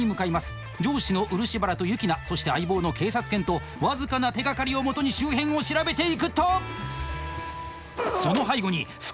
上司の漆原とユキナそして相棒の警察犬と僅かな手がかりをもとに周辺を調べていくと。